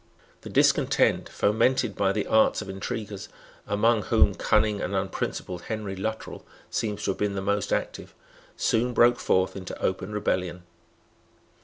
The discontent, fomented by the arts of intriguers, among whom the cunning and unprincipled Henry Luttrell seems to have been the most active, soon broke forth into open rebellion.